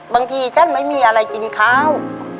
บางทีฉันไม่มีอะไรกินข้าว